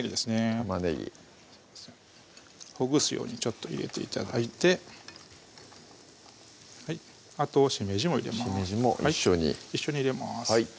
玉ねぎほぐすように入れて頂いてあとしめじも入れますしめじも一緒に一緒に入れます